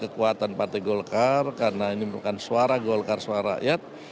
kekuatan partai golkar karena ini merupakan suara golkar suara rakyat